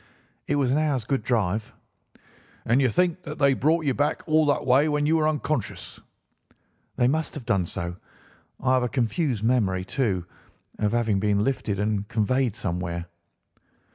"It was an hour's good drive." "And you think that they brought you back all that way when you were unconscious?" "They must have done so. I have a confused memory, too, of having been lifted and conveyed somewhere."